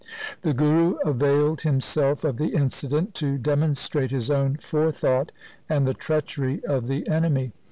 The Guru availed himself of the incident to demonstrate his own forer thought and the treachery of the enemy.